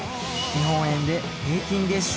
日本円で平均月収